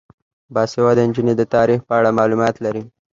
باسواده نجونې د تاریخ په اړه معلومات لري.